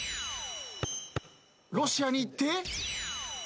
ロシアにいって。